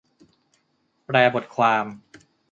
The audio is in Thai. แปลบทความ